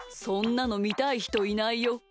そんなのみたいひといないよ。